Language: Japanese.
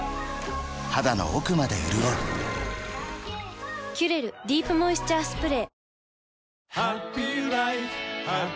肌の奥まで潤う「キュレルディープモイスチャースプレー」